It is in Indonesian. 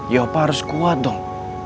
ya opa harus kuat dong